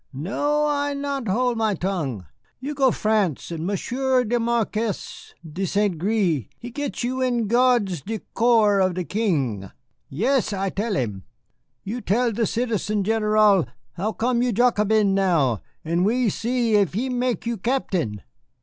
No, I not hold my tongue. You go France and Monsieur le Marquis de St. Gré he get you in gardes du corps of the King. Yes, I tell him. You tell the Citizen General how come you Jacobin now, and we see if he mek you Captain."